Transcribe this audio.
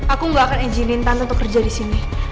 aku gak akan izinin tante untuk kerja disini